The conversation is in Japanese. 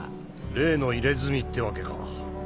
例の入れ墨ってわけか。